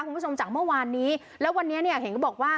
คุณผู้ชมจากเมื่อวานนี้แล้ววันนี้เนี่ยเห็นก็บอกว่า